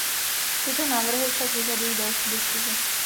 Tyto návrhy však vyžadují další diskusi.